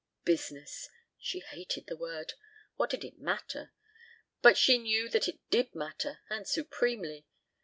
Business. She hated the word. What did it matter But she knew that it did matter, and supremely.